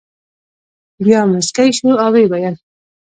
بیا مسکی شو او ویې ویل.